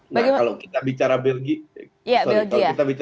nah kalau kita bicara belgia sorry